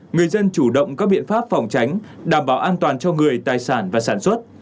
người dân chủ động các biện pháp phòng tránh đảm bảo an toàn cho người tài sản và sản xuất